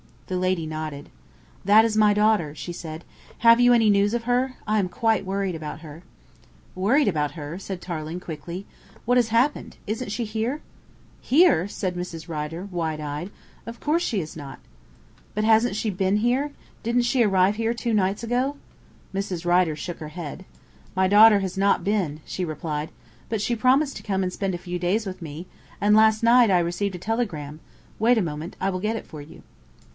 The lady nodded. "That is my daughter," she said. "Have you any news of her? I am quite worried about her." "Worried about her?" said Tarling quickly. "Why, what has happened? Isn't she here?" "Here?" said Mrs. Rider, wide eyed. "Of course she is not." "But hasn't she been here?" asked Tarling. "Didn't she arrive here two nights ago?" Mrs. Rider shook her head. "My daughter has not been," she replied. "But she promised to come and spend a few days with me, and last night I received a telegram wait a moment, I will get it for you."